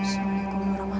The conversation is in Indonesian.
selamat tinggal puteraku